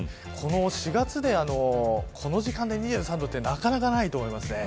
４月で、この時間で２３度ってなかなかないと思います。